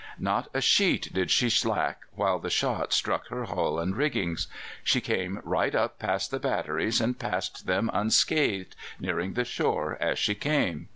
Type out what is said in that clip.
Not a sheet did she slack, while the shot struck her hull and rigging. She came right past the batteries, and passed them unscathed, nearing the shore as she came.